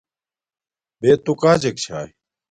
بے توُ کجک چھݴݷ